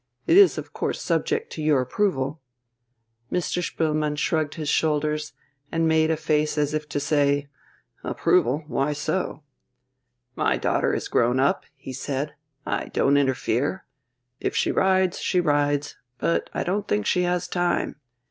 It is of course subject to your approval...." Mr. Spoelmann shrugged his shoulders, and made a face as if to say: "Approval why so?" "My daughter is grown up," he said. "I don't interfere. If she rides, she rides. But I don't think she has time.